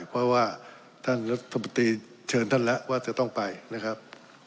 เพราะว่าท่านรัฐมนตรีเชิญท่านแล้วว่าจะต้องไปนะครับ